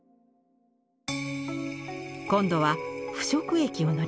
今度は腐食液を塗ります。